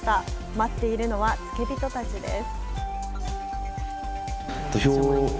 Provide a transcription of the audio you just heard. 待っているのは、付け人たちです。